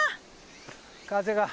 風が。